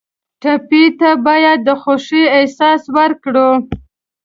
ټپي ته باید د خوښۍ احساس ورکړو.